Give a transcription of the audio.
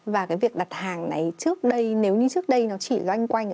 và cái việc đặt hàng này trước đây nếu như trước đây nó chỉ loanh quanh